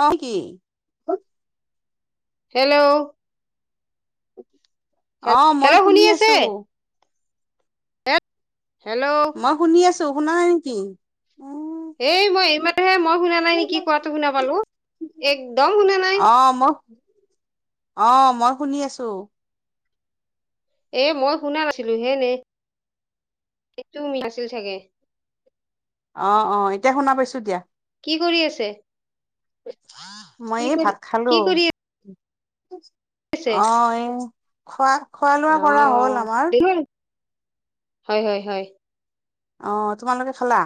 অ কি? হেল্ল'। অ মই হেল্ল' শুনি আছে? আছো ইয়াত মই শুনি আছো। শুনা নাই নেকি? হেই মই এই মাতোহে। মই শুনা নাই নেকি কোৱাটো শুনা পালো। একদম শুনা নাই। অ মই অ মই শুনি আছো। এ মই শুনা নাছিলো হে এনে টো মি আাছিল চাগে। অ অ এতিয়া শুনা পাইছো দিয়া। কি কৰি আছে মই কি এ কৰি ভাত খালো। কি কৰি আছে অ খোৱা খোৱা অ লোৱা কৰা হ'ল আমাৰ। দেখোন হয় হয় হয়। অ তোমালোকে খালা?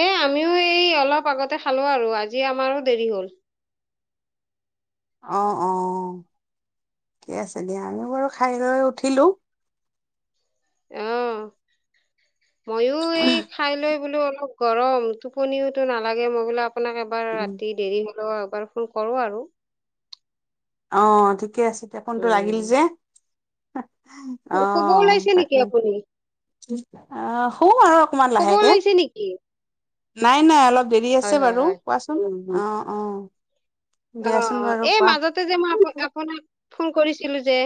এ আমিও এই অলপ আগতে খালো আৰু আজি আমাৰো দেৰি হ'ল। [inaudible] অ অ ঠিকে আছে দিয়া। আমি বাৰু খাই লৈ উঠিলো। অ মইও এই খাই লৈ বোলো অলপ গৰম টোপনিওতো নালাগে। মই বোলে আপোনাক এবাৰ উম, ৰাতি দেৰি ৰ' এবাৰ ফোন কৰো আৰু। অ', ঠিকে আছে এতিয়া ফোনটো লাগিল উম যে। অ', শুব ওলাইছে নেকি তাকে, আপুনি অ', হ খবৰ ওলাইছে নেকি? নাই নাই অলপ দেৰি হয় আছে হয় বাৰু, হয় কোৱাচোন, অ', অ', অ', দিয়াচোন অ', বাৰু এ কোৱা মাজতে যে মই আপো-আপোনাক ফোন কৰিছিলো যে,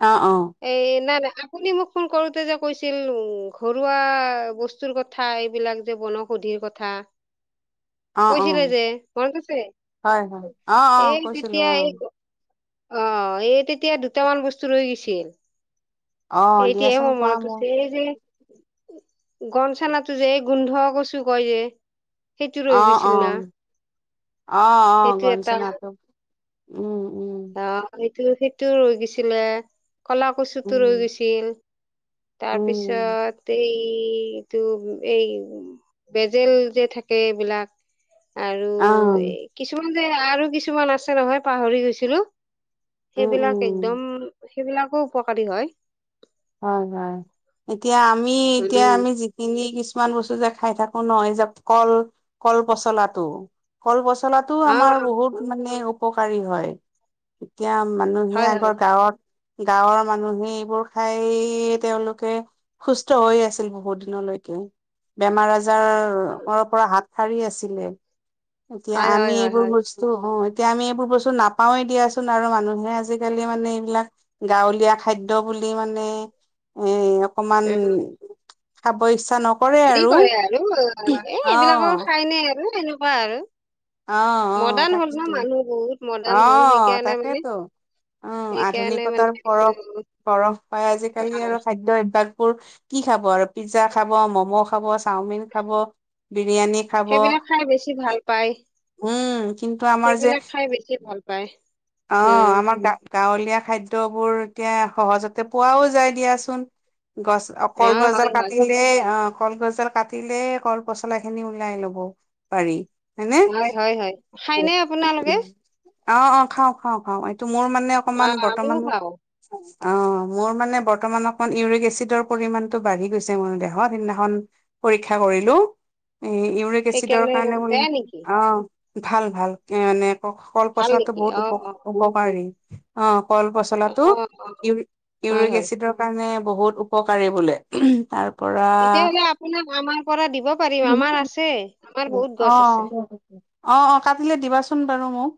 অ অ এই না না আপুনি মোক ফোন কৰোতে যে কৈছিল, ঘৰুৱা বস্তুৰ কথা এইবিলাক যে বনৌষধ ষুধিৰ কথা, অ অ কৈছিলে যে মনত আছে? হয়, হয়, অ', অ', এই কৈছিলো তেতিয়া অ', এই অ', এই তেতিয়া দুটামান বস্তু লৈ গৈছিল। অ এতয়াও দিয়াচোন মোৰ কোৱা মনত আছে এই যে গন চনাটো যে গোন্ধ কছু কয় যে। সেইটো অ', ৰৈ গৈছিল না অ', অ', অ', সেইটো এটা গঞ্চনাটো, উম। উম অ সেইটো সেইটো ৰৈ গৈছিলে কলা কচুতো ৰৈ উম গৈছিল উম তাৰপিছত এই এ টো এই বেজেল যে থাকে এইবিলাক আৰু, অ কিছুমান যে আৰু কিছুমান আছে নহয় পাহৰি গৈছিলো। উম সেইবিলাক উম একদম, সেইবিলাকো উপকাৰী হয়। হয় হয় এতিয়া আমি এতিয়া উম আমি যিখিনি কিছ কিছুমান বস্তু যে খাই থাকো ন এই যে কল কল পচলাটো কল পচ পচলাটো অ আমাৰ বহুত মানে উপকাৰী হয়। এতিয়া মানুহে হয় হয় আগৰ গাঁৱত, গাঁৱৰ মানুহে এইবোৰ খাই তেওঁলোকে, সুস্থ হৈ আছিল বহুত দিনলৈকে, বেমাৰ আজাৰ জ্বৰৰ পৰা হাত সাৰি আছিলে, এতিয়া হয় আমি হয় হয় এইবোৰ হয় বস্তু হ এতিয়া আমি এইবোৰ বস্তু নাপাওৱেই দিয়াচোন আৰু মানুহে আজিকালি মানে এইবিলাক গাঁৱলীয়া খাদ্য বু কি মানে, এ অকমান উম খাব ইছ হেৰি কৰে আৰু, এ অ এইবিলাকো খাই নে আৰু এনেকুৱা আৰু। অ', অ', মডাৰ্ণ হ'ল ন তাকেতো মানুহ বহুত মডাৰ্ণ হ'ল অ', সেইকাৰণে মানে তাকেইতো। অ', সেইকাৰণে মানে আধুনিকতাৰ এইটো পৰস-পৰস পাই আজিকালি আৰু খাদ্য অভ্যাস বোৰ কি খাব আৰু পিজ্জা খাব, ম'ম' খাব, চাওমিন খাব বিৰিয়ানী খাব। সেইবিলাক খাই বেছি ভাল পায় উম, কিন্তু আমাৰ যে সেইবিলাক খাই বেছি ভাল পাই। অ', আমাৰ গা গাঁৱলীয়া খাইদ [unintelligible] এতিয়া সহজতে পোৱাও যায় দিয়াচোন। গছ অ', কল গছডাল হয়, হয়, কাটিলে অ', কলগছ দাল কাটিলেই কল পচলা খিনি ওলাই লব, পাৰি। হয়নে হয়, হয়, হয়, খাইনে আপোনালোকে? অ', অ', খাও, খাও, খাওঁ, এইটো মোৰ মানে অকমান অ', আমিও বৰ্তমান খাওঁ, অ', মোৰ মানে বৰ্তমান অকমান ইউৰিক এচিডৰ পৰিমানটো বাঢ়ি গৈছে মোৰ দেহত সেইদিনাখন, পৰীক্ষা কৰি লো উম, ইউৰিক এচিডৰ সেইকাৰণে কাৰণে বেয়া [unintelligible] নেকি? অ', ভাল ভাল এনে অ', কল ভাল পচলাতো নেকি? বহুত উপ অ', অ', কাৰী অ', কল অ', পচলাটো অ', হয়, ইউৰি-ইউৰিক হয়, এচিডৰ কাৰণে বহুত উপকাৰী বোলে, তাৰ পৰা তেতিয়াহ'লে আপোনাক আমাৰ পৰা দিব পাৰিম আমাৰ আছে। আমাৰ বহুত গছ আছে, অ', অ, অ, কাটিলে দিবাচোন বাৰু মোক।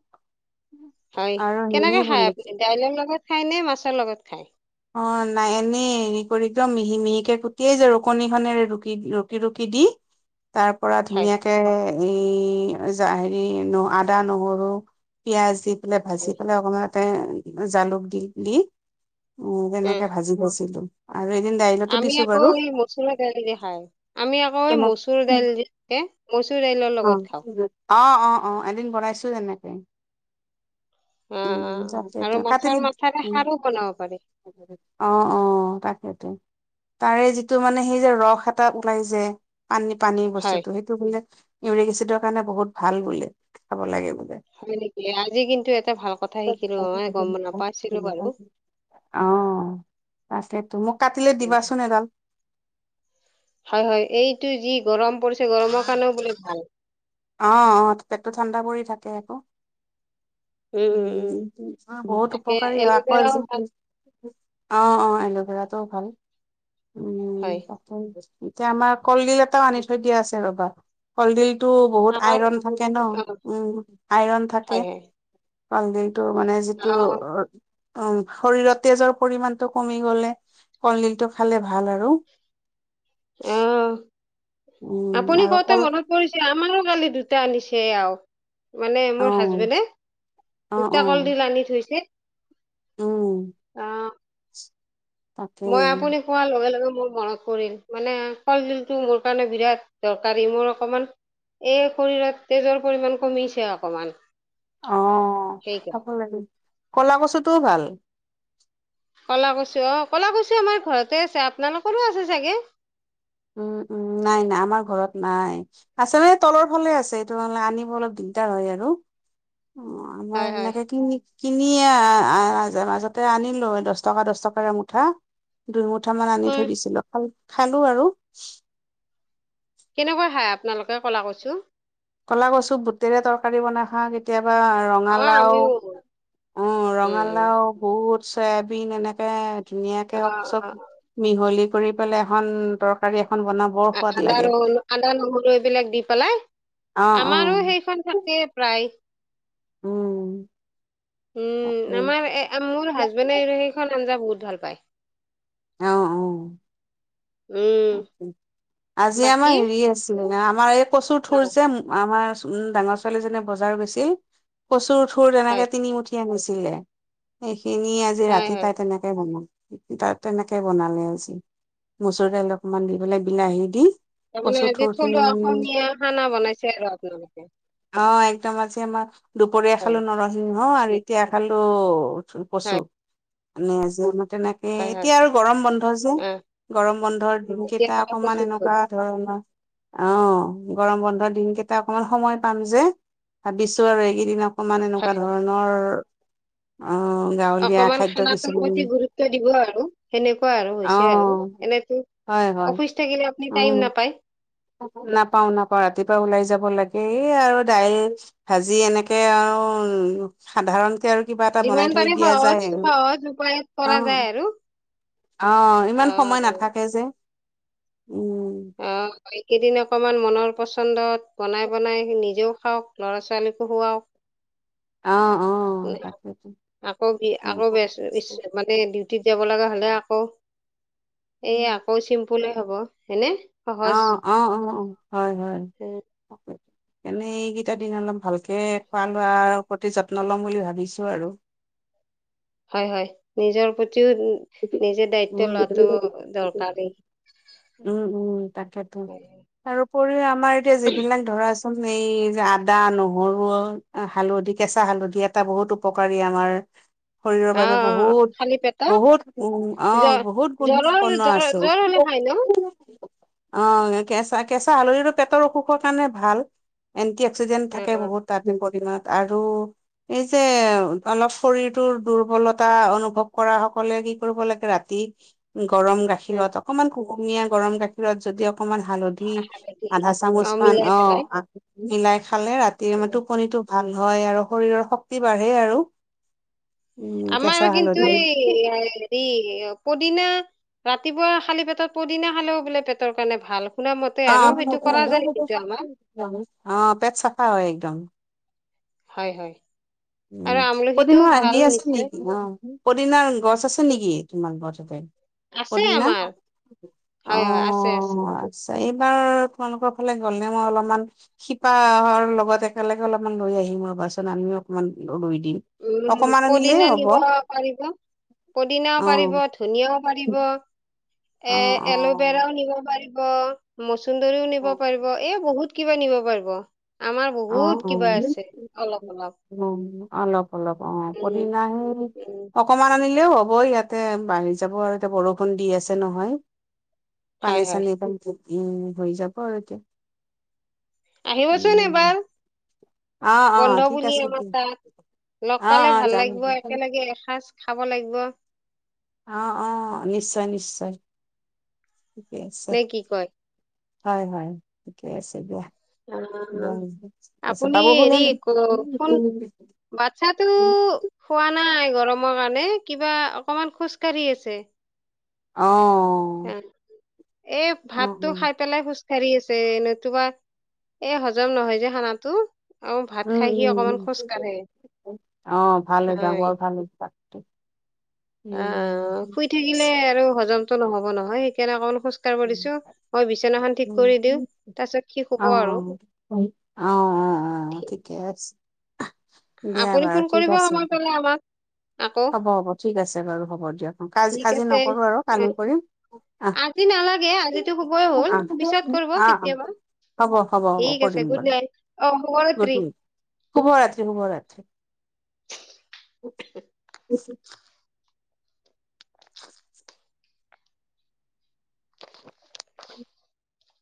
হয়, আৰু হেৰি কেনেকে খায় বুলি আপুনি দাইলৰ লগত খায় নে মাছৰ লগত খায়? অ', নাই এনেই হেৰি কৰি একদম মিহি মিহিকে কুটিয়েই যে ৰুকুণীখনেৰে ৰুকি, ৰুকি, ৰুকি দি তাৰ পৰা খায়, ধুনীয়াকে এই হেৰি ন আদা নহৰু পিয়াজ দি পেলাই ভাজি হয়, পেলাই অকণমান তাতে জালুক দি দি উ উম, তেনেকে ভাজি গৈছিলো। আমি আকৌ এই মচুৰ দাইল যে খাই আমি আকৌ এই তেনে মচুৰ দাইল যে মচুৰ। মচুৰদাইলৰ লগত খাওঁ। অঁ অঁ এদিন বনাইছোঁ তেনেকে। অঁ উম অঁ আৰু মাছৰ মাথাৰে খাৰো বনাব পাৰি। অঁ অঁ তাকে। তাৰে যিটো মানে সেই যে ৰস এটা ওলাই যে। পানী পানী হয়। বস্তুতটো সেইটো বোলে ইউৰিগেচিডৰ কাৰণে বহুত ভাল বোলে, খাব লাগে। বোলে হয় নেকি আজি কিন্তু এটা ভাল কথা শিকিলো নহয় গম নাপাইছিলো বাৰু। অঁ তাকেইতো, মোক কাটিলে উম দিবাচোন এডাল। হয় হয় এইটো যি গৰম পৰিছে গৰমৰ কাৰণেও বোলে ভাল। অঁ পেটটো ঠাণ্ডা পৰি থাকে আকৌ। উম উ উম উম বহুত তাকে উপকাৰী হয় আকৌ। এল'ভেৰাও ভাল অ', অ', এল'ভেৰাতটোও ভাল, উম হয় [unintelligible] এতিয়া আমাক কলডিল এটা আনি থৈ দিয়া আছে ৰ'বা, কলডিল টো বহুত আমাৰ আইৰন থাকে ন, অ উম আইৰন থাকে, হয় হয় কলডিল মানে অ যিটো উ শৰীৰত তেজৰ পৰিমানটো কমি গলে। কলডিলটো খালে ভাল আৰু। আহ উম, আপুনি আৰু কতে কল মনত পৰিছে। মাৰো কালি দুটা আনিছে আঁ। মানে মোৰ অ', হাজবেণ্ডে অ', দুতা অ', কলডিল আনি থৈছে। উম। আহঁ। মই তাকেই আপুনি খোৱাৰ লগে লগে। মোৰ মনত পৰিল মানে কলদিলটো মোৰ কাৰণে বিৰাট দৰকাৰী মোৰ অকমান। এই শৰীৰত তেজৰ পৰিমাণ কমিছে অকমান। অঁ সেইকাৰ খাব লাগে, কলা কচুটোও ভাল। কলাকচু অঁ ক'লাকচু আমাৰ ঘৰতে আছে আপোনালোকৰো আছে চাগে। উম উম নাই নাই আমাৰ ঘৰত নাই আছে মানে তলৰ ফালে আছে, এইটো আনিব লে অলপ। দিগদাৰ হয় আৰু অঁ আমাৰ হয় হয় এনেকে কিনি। কিনি মাজতে আনিলো দহ টকা দহ টকাৰ মুঠা দুইমুঠা। উঠামান আনি থৈ দিছিলো খালো আৰু কেনেকুৱা খাই আপোনালোকে ক'লা কচু কলা কচু বুটেৰে তৰকাৰী বনাই খা কেতিয়াবা অ ৰঙালাও, আমিও উম ৰঙালাও বুত চয়াবিন এনেকে অ ধুনীয়াকে হওক চব অ মিহলি,, কৰি পেলাই এখন তৰকাৰী এখন বনাই বৰ সোৱাদ আদা লাগে ন আদা নহৰু এইবিলাক দি পেলাই অ অ আমাৰো সেইখন থাকে প্ৰায়। উম উম তাকেই আমাৰ মোৰ হাজবেণ্ডে সেইখন আঞ্জা বহুত ভাল পায়। অঁ অঁ। উম আজি বাকী আমাৰ হেৰি আছিলে আমাৰ এই কচু অ ঠুৰ যে আমাৰ উম ডাঙৰ ছোৱালী জনে বজাৰ গৈছিল, কচুৰ ঠুৰ হয় তেনেকে তিনি মুুঠি আনিছিল সেইখিনি আজি হয় ৰাতি হয় তাই তেনেকে বনওঁ তাত তেনেকে বনালো আজি, মচুৰ দাইল অকমান দি পেলাই বিলাহী দি তাৰমানে কচু আজি থুৰখিনি থলুৱা মানে অসমীয়া খানা বনাইছা আৰু আপোনালোকে অঁ একদম আজি আমাৰ দুপৰীয়া হয় খালো নৰসিংহ আৰু এতিয়া খালো কচু। মানে তেনেকে হয় হয় এতিয়া আৰু গৰম বন্ধ যে। অ গৰম বন্ধৰ এতিয়া কেইটা কলা অকমান কচুৰ থোৰ এনেকুৱা ধৰণৰ। অ গৰম বন্ধ দিনকেইটা অকমান সময় পাম যে। ভাবিছো আৰু এইকেইদিন অকমান হয় এনেকুৱা হয় ধৰণৰ অ গাঁৱলীয়া অকমান খাদ্য সেনাটোৰ কিছুমান প্ৰতি গুৰুত্ব দিব আৰু সেনেকুৱা আৰু অ হৈছে আৰু এনেতো হয় অফিচ থাকিলে আপুনি টাইম নাপায়। নাপাও-নাপাও। ৰাতিপুৱা ওলাই যাব লাগে। এই আৰু দাইল ভাজি এনেকে আৰু উ সাধাৰণতে আৰু কিবা এটা বনাই যিমান থৈ পাৰে দিয়া যায় সহজ আৰু। সহজ উপায়ত অ। কৰা যায় আৰু অ অ ইমান সময় নাথাকে যে। উম। অ এইকেইদিন অকমান মনৰ পচন্দত বনাই বনাই নিজেও খাওক, ল'ৰা-ছোৱালীকো খুৱাওক। অহ, অহ তাকে টো। আকৌ, আকৌ মানে ডিউটিত যাব লগা হ'লে আকৌ এ আকৌ চিম্পুলে হব হেয়নে অঁ অঁ অঁ হয় হয়। এনেই এইকেইটা দিন অলপ ভালকে খোৱা লোৱাৰ প্ৰতি যত্ন লম বুলি ভাবিছো আৰু [inaudible] হয়, হয় নিজৰ প্ৰতি প্ৰতিও নিজে দায়িত্ব উম লোৱাটো দৰকাৰেই। উম উম তাকেতো তাৰপৰিও আমাৰ এতিয়া যিবিলাক ধৰা এই আদা, নহৰু, হালধি, কেঁচা হালধি এটা বহুত উপকাৰী আমাৰ। শৰীৰৰ অ বাবে অ খালি পেটা বহুত-বহুত উ অ জ বহুত গুণ জ্বৰৰ সম্পন্ন জ্বৰ আছে। জ্বৰ হলে খাই ন [unintelligible] অ কেঁচা-কেঁচা হালধিটো পেটৰ অসুখৰ কাৰণে ভাল। এন এক্সিডেণ্ট অ থাকে অ বহুত তাৰ [unintelligible] আৰু এই যে অলপ শৰীৰটোৰ দুৰ্বলতা অনুভৱ কৰা সকলে কি কৰিব লাগে। ৰাতি গৰম উম গাখীৰত অকমান কুহুমীয়া গৰম গাখীৰত যদি অকমান হালধি হালধি আধা চামুচ মান মিলাই অ পেলাই মিলাই খালে ৰাতিৰ উম, টোপনিটো ভাল হয় আৰু শৰীৰৰ শক্তি বাঢ়ে আৰু। উম, আমাৰ কেঁচা কিন্তু হালধি এই এই পদিনা ৰাতিপুৱা খালী পেটত পদিনা খালেও বোলে পেটৰ কাৰণে ভাল। শুনা মতে আৰু অ-অ সেইটো কৰা যায় কিন্তু আমাৰ [unintelligible] পেট চাফা হয় একদম। হয়, হয়। উ, আৰু আমলখিটোও পদিনা ভাল হেৰি আছে নিশ্চয় নেকি? অ পদিনাৰ গছ আছে কি নেকি তোমাৰ ঘৰত? আছে পদিনা, আমাৰ অ হয় হয় আছে আছে। এইবাৰ তোমালোকৰ ফালে গ'লে মই অলপমান শিপাহৰ লগত একেলগে অলপমান লৈ আহি মই বাচন [unintelligible] উম, পদিনা নিব পাৰিব। পুদিনাও অ, পাৰিব, ধনিয়াও পাৰিব। অ, অ, এ এল'বেৰাও নিব পাৰিব, মচুন্দৰীও অ, নিব পাৰিব। এই বহুত কিবা নিব পাৰিব। আমাৰ অ, বহুত কিবা আছে অলপ-অলপ। অলপ-অলপ অ। পদিনা সেই উম অকমান আনি [unintelligible] হ'ব ইয়াতে বাঢ়ি যাব আৰু এতিয়া বৰষুণ দি আছে নহয়। হয় হয় পানী-চানী উম হৈ যাব আৰু এতিয়া। আহিবচোন উম এবাৰ। অ', অ', বন্ধ ঠিক বুলি আছে আমাৰ দিয়া তাত লগ অ', পালে অ', ভাল যাম লাগব। দিয়া। একেলগে এসাঁজ খা খাব লাগিব। অ-অ নিশ্চয়, নিশ্চয়। ঠিকেই আছে। নে কি কয় হয় হয় ঠিকেই আছে দিয়া অ আপুনি বাবু [unintelligible] বাচ্ছাতো খোৱ নাই [unintelligible] গৰমৰ কাৰণে কিবা অকমান খোজকাঢ়ি আছে অ হ অ', এই অ', ভাতটো খাই পেলাই সুস্থ হেৰি আছে নতুবা এ হজম নহয় যে খানাটো আৰু ভাত উম খাই সি উম অকমান উম খোজ কাঢ়ে অ ভালে অভ্যাস বৰ ভাল অভ্যাস - অ শুই থাকিলে আৰু হজমতটো নহব নহয় সেইকাৰণে অকণমান - খোজ্ কাঢ়িব দিছো মই বিচনাখন ঠিক কৰি দিওঁ উম তাৰ পিছত কি অ', হ'ব অ', আৰু- অ', অ অ ঠিক, ঠিকে আছে- দিয়া আপুনি বাৰু ফোন ঠিক কৰিব আছে সময় পালে আমাক- আকৌ হ'ব হ'ব ঠিক আছে বাৰু হ'ব দিয়ক ক ঠিক আজি আছে নকৰোঁ আৰু কালি উম কৰিম- আহ আজি নালাগে আজিতো শুবই হ'ল পিছত কৰিব কেতিয়াবা- অ অ অ হ'ব হ'ব হ'ব ঠিক আছে, কৰিম গুড নাইট অ, শুভ্ৰৰাত্ৰি। শুভ্ৰৰাত্ৰি, শুভ্ৰৰাত্ৰি। [unintelligible] [inaudible] [unintelligible] [inaudible]